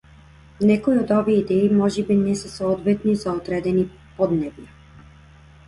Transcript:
Некои од овие идеи можеби не се соодветни за одредени поднебја.